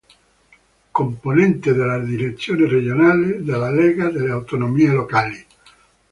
Componente della direzione regionale della Lega delle Autonomie locali.